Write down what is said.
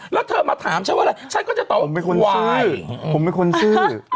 และเธอมาถามชับว่าวันนี้เหลือ